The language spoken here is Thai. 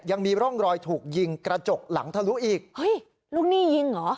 ยังมีร่องรอยถูกยิงกระจกหลังทะลุอีกเฮ้ยลูกหนี้ยิงเหรอ